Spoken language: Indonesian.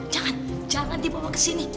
jangan jangan dibawa ke sini